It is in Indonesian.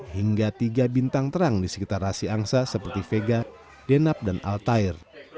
hingga tiga bintang terang di sekitar rasi angsa seperti vega denab dan al tair